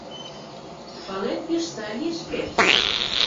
— Палет, пеш сай лиеш вет.